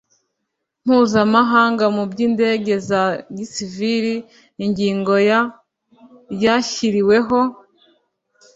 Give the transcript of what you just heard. mpuzamahanga mu by'indege za gisivili (ingingo ya (a)), ryashyiriweho